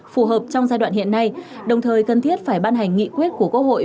phù hợp trong giai đoạn hiện nay đồng thời cần thiết phải ban hành nghị quyết của quốc hội